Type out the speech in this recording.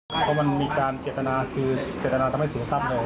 เพราะมันมีการเจตนาคือเจตนาทำให้เสียทรัพย์เลย